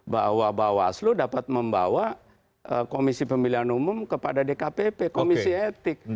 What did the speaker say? bahwa bawaslu dapat membawa komisi pemilihan umum kepada dkpp komisi etik